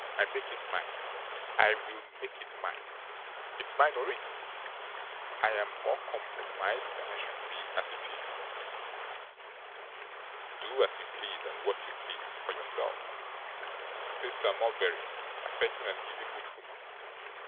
'I make it mine; I will make it mine. It's mine already. I am more compromised than I should be, as it is.' 'Do as you please, and what you please, for yourself,' said Sir Mulberry, affecting an easy good humour.